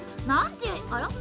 あら？